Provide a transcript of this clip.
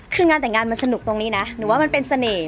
คืองานแต่งงานมันสนุกตรงนี้นะหนูว่ามันเป็นเสน่ห์